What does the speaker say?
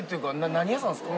何屋さんですか？